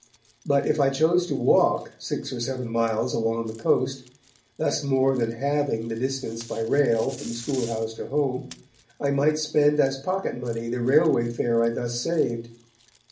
But, if I chose to walk six or seven miles along the coast, thus more than halving the distance by rail from school house to home, I might spend as pocket money the railway fare I thus saved.